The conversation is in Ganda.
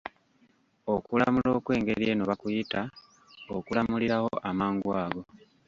Okulamula okw'engeri eno bakuyita: Okulamulirawo amangu ago.